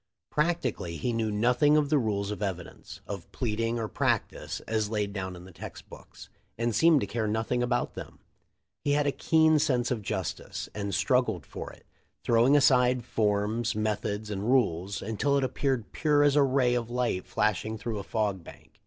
Practically he knew nothing of the rules of evidence, of pleading, or practice, as laid down in the text books, and seemed to care nothing about them. He had a keen sense of justice, and strug gled for it, throwing aside forms, methods, and rules, until it appeared pure as a ray of light flash ing through a fog bank.